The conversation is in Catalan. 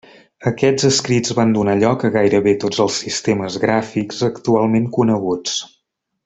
Aquests escrits van donar lloc a gairebé tots els sistemes gràfics actualment coneguts.